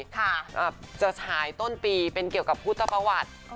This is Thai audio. จะฉายต้นปีเป็นเกี่ยวกับพุทธประวัติ